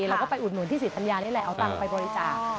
เราก็ไปอุดหนุนพี่ศรีธัญญานี่แหละเอาตังค์ไปบริจาค